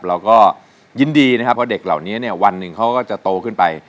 เราก็ยินดีนะครับเพราะเด็กเหล่านี้เนี่ยวันหนึ่งเขาก็จะโตขึ้นไป